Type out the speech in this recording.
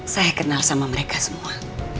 saya kenal sama mereka semua